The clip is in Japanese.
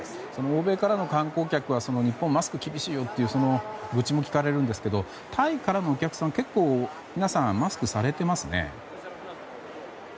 欧米からの観光客からは日本、マスク厳しいよっていう愚痴も聞かれるんですけどタイからのお客さんは皆さんマスクをされていますね。